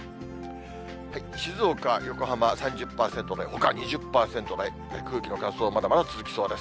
静岡、横浜３０％台、ほか２０％台、空気の乾燥はまだまだ続きそうです。